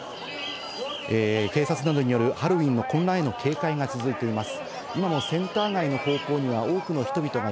警察などによるハロウィーンの混乱への警戒が続いています。